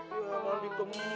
iya mandi kembang